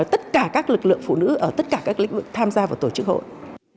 tất cả các lực lượng phụ nữ ở tất cả các lĩnh vực tham gia vào tổ chức hội